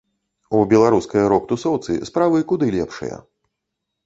У беларускай рок-тусоўцы справы куды лепшыя.